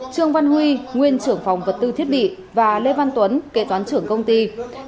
trương văn huy nguyên trưởng phòng vật tư thiết bị và lê văn tuấn kế toán trưởng công ty